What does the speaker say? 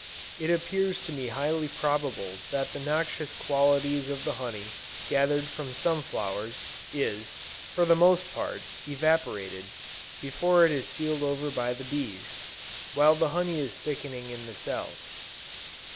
It appears to me highly probable that the noxious qualities of the honey gathered from some flowers, is, for the most part, evaporated, before it is sealed over by the bees, while the honey is thickening in the cells.